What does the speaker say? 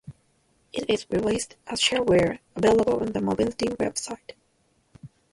It is released as shareware, available on the Mobility Web site.